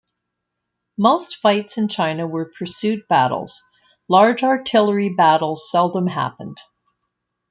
Most fights in China were pursuit battles; large artillery battles seldom happened.